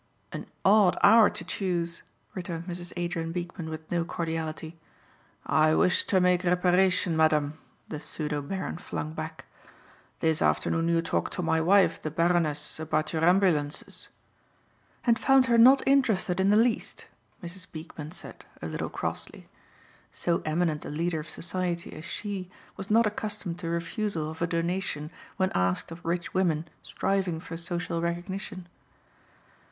"An odd hour to choose," returned Mrs. Adrien Beekman with no cordiality. "I wish to make reparation, Madam," the pseudo Baron flung back. "This afternoon you talked to my wife, the Baroness, about your ambulances." "And found her not interested in the least," Mrs. Beekman said, a little crossly. So eminent a leader of society as she was not accustomed to refusal of a donation when asked of rich women striving for social recognition.